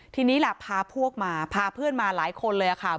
ทีนี้ล่ะพาพวกมาพาเพื่อนมาหลายคนเลยค่ะ